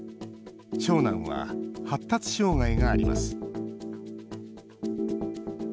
長男は発達障害があります。